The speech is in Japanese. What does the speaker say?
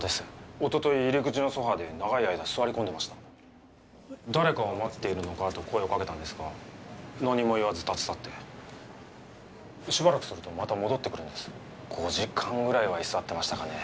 おととい入り口のソファーで長い間座り込んでました誰かを待っているのか？と声をかけたんですが何も言わず立ち去ってしばらくするとまた戻ってくるんです５時間ぐらいは居座ってましたかね